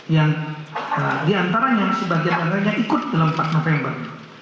yang diantaranya sebagian lainnya ikut dalam empat november